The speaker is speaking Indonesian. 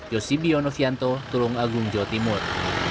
yossi bionofianto tulung agung jawa timur